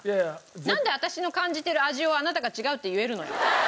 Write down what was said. なんで私の感じてる味をあなたが「違う」って言えるのよ。